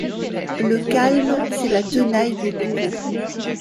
Le calme, c’est la tenaille du bourreau.